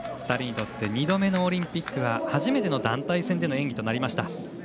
２人にとって２度目のオリンピックでは初めての団体戦での演技となりました。